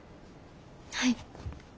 はい。